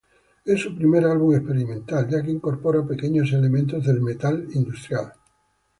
Es su primer álbum experimental, ya que incorpora pequeños elementos del "metal" industrial.